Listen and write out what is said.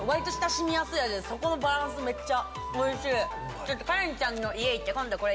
そこのバランスめっちゃおいしい！